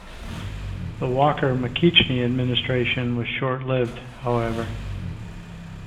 The Walker-McKeachnie administration was short lived, however.